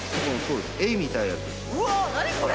うわ何これ！